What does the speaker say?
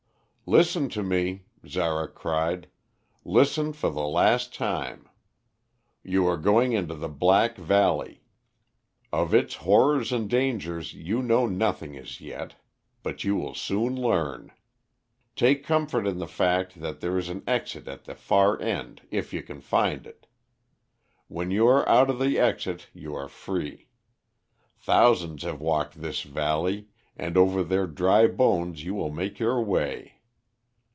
"'Listen to me,' Zara cried, 'listen for the last time. You are going into the Black Valley; of its horror and dangers you know nothing as yet. But you will soon learn. Take comfort in the fact that there is an exit at the far end if you can find it. When you are out of the exit you are free. Thousands have walked this valley, and over their dry bones you will make your way.